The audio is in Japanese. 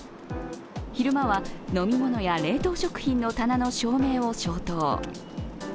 昼間は飲み物や冷凍食品の棚を消灯。